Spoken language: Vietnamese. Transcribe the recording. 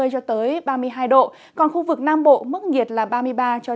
cho tới ba mươi hai độ còn khu vực nam bộ mức nhiệt là ba mươi ba ba mươi bốn độ